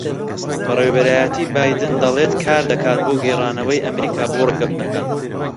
بەڕێوەبەرایەتیی بایدن دەڵێت کار دەکات بۆ گێڕانەوەی ئەمریکا بۆ ڕێککەوتنەکە